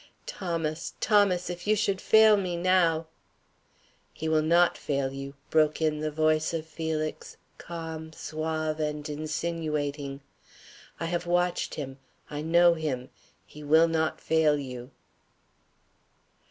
Thomas, Thomas, if you should fail me now " "He will not fail you," broke in the voice of Felix, calm, suave, and insinuating. "I have watched him; I know him; he will not fail you."